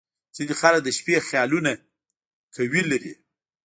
• ځینې خلک د شپې خیالونه قوي لري.